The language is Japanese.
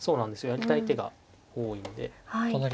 やりたい手が多いんで。